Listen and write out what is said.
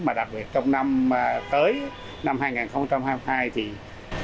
mà đặc biệt trong môi trường số chúng tôi cần phải hoàn thiện và triển khai tốt các thể chế trong môi trường số